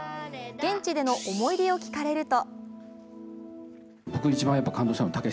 現地での思い出を聞かれると